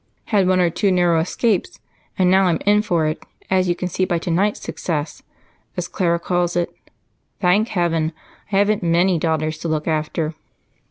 Had one or two narrow escapes, and now I'm in for it, as you can see by tonight's 'success' as Clara calls it. Thank heaven I haven't many daughters to look after!"